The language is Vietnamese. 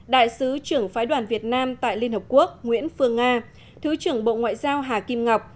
đại sứ trưởng phái đoàn việt nam tại liên hợp quốc nguyễn phương nga thứ trưởng bộ ngoại giao hà kim ngọc